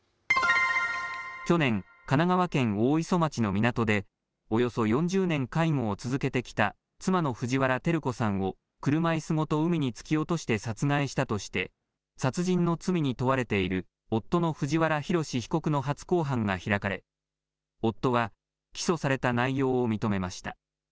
去年、神奈川県大磯町の港で、およそ４０年介護を続けてきた妻の藤原照子さんを車いすごと海に突き落として殺害したとして、殺人の罪に問われている夫の藤原ヒロシ被告の初公判が開かれ、夫は、起訴された内容を認めました。